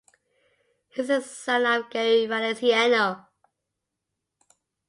He is the son of Gary Valenciano.